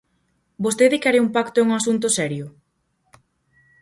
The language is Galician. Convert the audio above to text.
¿Vostede quere un pacto e un asunto serio?